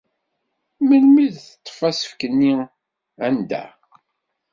Melmi i d-teṭṭfeḍ asefk-nni? Anda?